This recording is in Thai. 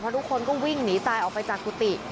ทุกคนก็วิ่งหนีตายออกไปจากกุฏิ